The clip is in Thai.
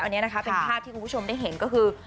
อันนี้นะคะเป็นภาพที่คุณผู้ชมได้เห็นก็คือ